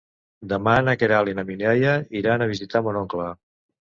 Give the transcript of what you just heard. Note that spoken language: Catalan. Demà na Queralt i na Mireia iran a visitar mon oncle.